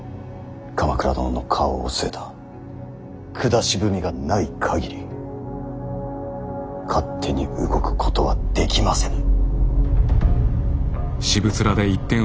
鎌倉殿の花押を据えた下文がない限り勝手に動くことはできませぬ。